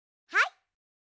はい。